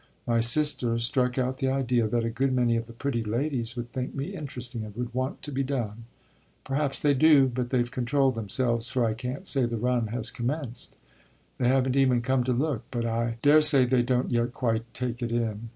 My sister struck out the idea that a good many of the pretty ladies would think me interesting and would want to be done. Perhaps they do, but they've controlled themselves, for I can't say the run has commenced. They haven't even come to look, but I daresay they don't yet quite take it in.